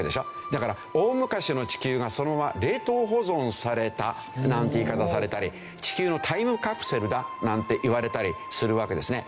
だから大昔の地球がそのまま冷凍保存されたなんて言い方をされたり地球のタイムカプセルだなんていわれたりするわけですね。